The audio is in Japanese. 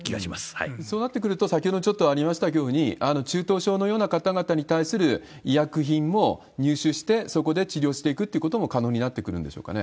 そうなってくると、先ほどちょっとありましたように、中等症のような方々に対する医薬品も入手してそこで治療していくってことも可能になってくるんでしょう